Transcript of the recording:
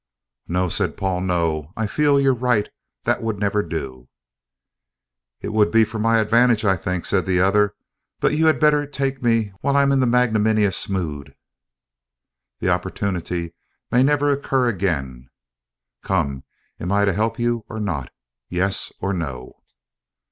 "No," said Paul, "no; I feel you're right; that would never do." "It would be for my advantage, I think," said the other, "but you had better take me while I am in a magnanimous mood, the opportunity may never occur again. Come, am I to help you or not? Yes or no?"